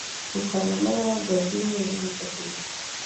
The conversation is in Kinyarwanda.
rukara na Mariya babyaye ibyumweru bitatu bishize .